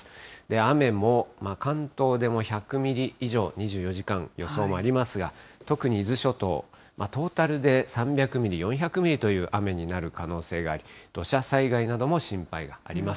雨も関東でも１００ミリ以上、２４時間予想もありますが、特に伊豆諸島、トータルで３００ミリ、４００ミリという雨になる可能性があり、土砂災害なども心配があります。